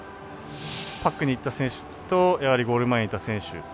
パックにいった選手とゴール前にいた選手。